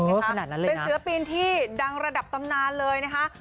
เอ๋อขนาดนั้นเลยฮะสีละปีนที่ดังระดับตำนานเลยนะฮะ